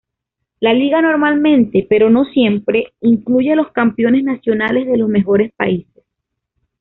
La liga normalmente, pero no siempre, incluye los campeones nacionales de los mejores países.